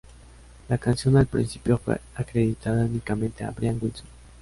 La canción al principio fue acreditada únicamente a Brian Wilson.